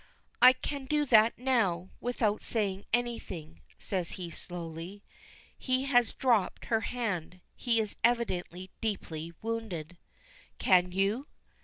"I can do that now, without saying anything," says he slowly. He has dropped her hand; he is evidently deeply wounded. "Can you?"